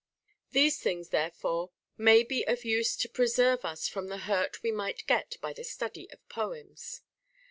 10. These things therefore may be of use to preserve us from the hurt we might get by the study of poems.